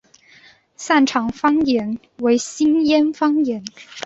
擅长方言为新舄方言。